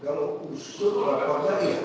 kalau usul dari pemerintah